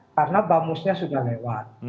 karena bamus nya sudah lewat